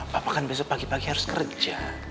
bapak kan besok pagi pagi harus kerja